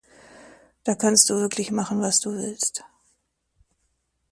Da kannst du wirklich machen, was du willst.